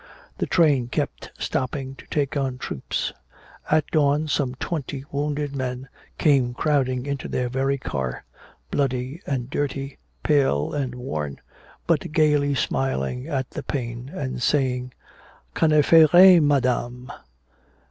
The train kept stopping to take on troops. At dawn some twenty wounded men came crowding into their very car, bloody and dirty, pale and worn, but gaily smiling at the pain, and saying, "Ça n'fait rien, madame."